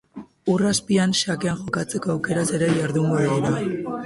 Ur azpian xakean jokatzeko aukeraz ere jardungo dira.